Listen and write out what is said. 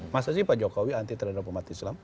masa sih pak jokowi anti terhadap umat islam